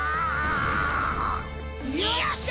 よっしゃ！